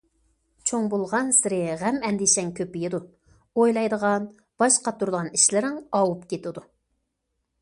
چوڭ بولغانسېرى غەم- ئەندىشەڭ كۆپىيىدۇ، ئويلايدىغان، باش قاتۇرىدىغان ئىشلىرىڭ ئاۋۇپ كېتىدۇ.